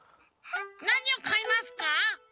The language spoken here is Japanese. なにをかいますか？